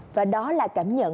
và đó là cảm nhận